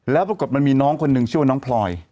แล้วปรากฏมันมีน้องคนหนึ่งชื่อว่าน้องพลอย